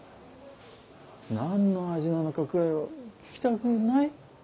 何の味なのかくらいは聞きたくない？